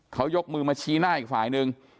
เขายกมือมาชี้หน้าอีกฝ่ายหนึ่ง